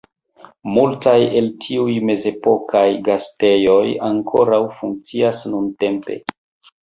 Multaj el tiuj mezepokaj gastejoj ankoraŭ funkcias nuntempe.